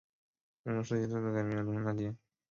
民国时期再次改名为中山大街。